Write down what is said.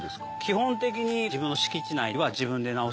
基本的に自分の敷地内は自分で直す。